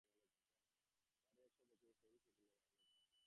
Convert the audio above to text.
বাড়ি আসিয়া দেখে-এক হ্যাঁড়ি সেকেলে আমলের টাকা।